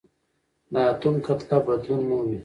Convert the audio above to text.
د اتوم کتله بدلون مومي.